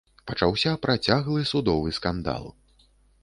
Пачаўся працяглы судовы скандал.